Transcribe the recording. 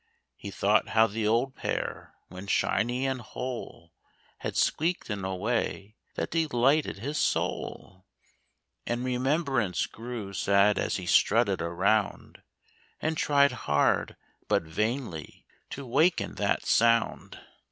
He thought how the old pair, when shiny and whole. Had squeaked in a way that delighted his soul, And remembrance grew sad as he strutted around And tried hard, but vainly, to waken that sound.